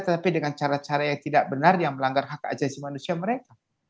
tetapi dengan cara cara yang tidak benar yang melanggar hak ajasi manusia mereka